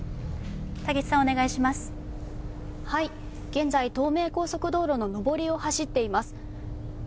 現在、東名高速の上りを走っています。